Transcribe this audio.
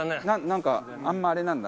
なんかあんまあれなんだ